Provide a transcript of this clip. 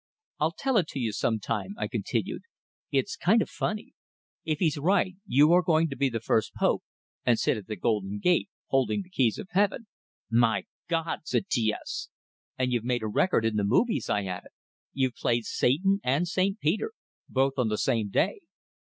"I'll tell it to you some time," I continued. "It's kind of funny. If he's right, you are going to be the first pope, and sit at the golden gate, holding the keys of heaven." "My Gawd!" said T S. "And you've made a record in the movies." I added. "You've played Satan and St. Peter, both on the same day!